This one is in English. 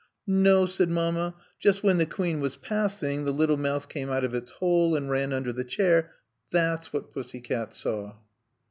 "No," said Mamma. "Just when the Queen was passing the little mouse came out of its hole and ran under the chair. That's what Pussycat saw."